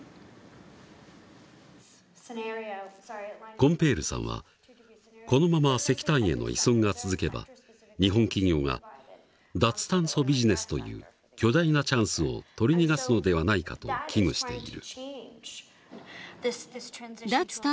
コンペールさんはこのまま石炭への依存が続けば日本企業が脱炭素ビジネスという巨大なチャンスを取り逃がすのではないかと危惧している。